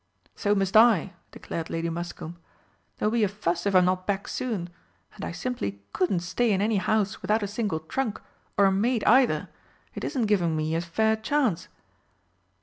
"So must I," declared Lady Muscombe; "there'll be a fuss if I'm not back soon and I simply couldn't stay in any house without a single trunk, or a maid either! It isn't giving me a fair chance!"